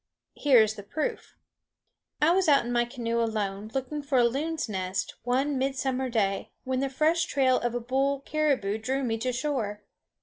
Here is the proof. I was out in my canoe alone looking for a loon's nest, one midsummer day, when the fresh trail of a bull caribou drew me to shore.